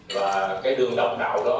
và cái đường đồng đạo đó